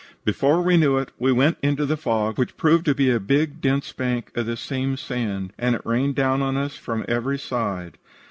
"Before we knew it, we went into the fog, which proved to be a big dense bank of this same sand, and it rained down on us from every side.